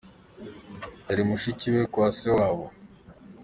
Y ari mushiki we kwa se wabo.